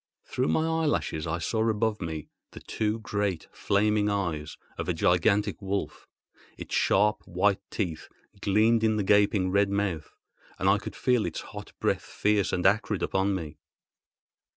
Through my eyelashes I saw above me the two great flaming eyes of a gigantic wolf. Its sharp white teeth gleamed in the gaping red mouth, and I could feel its hot breath fierce and acrid upon me.